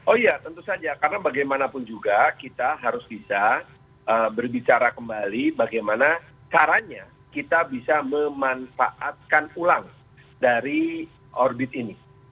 oh iya tentu saja karena bagaimanapun juga kita harus bisa berbicara kembali bagaimana caranya kita bisa memanfaatkan ulang dari orbit ini